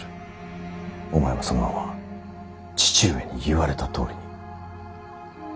お前はそのまま父上に言われたとおりに。